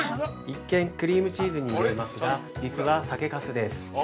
◆一見クリームチーズに見えますが、実は酒粕です。